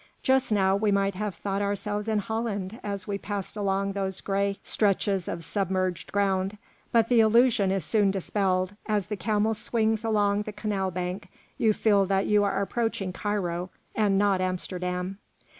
Just now we might have thought ourselves in Holland as we passed along those gray stretches of submerged ground, but the illusion is soon dispelled; as the camel swings along the canal bank, you feel that you are approaching Cairo, and not Amsterdam.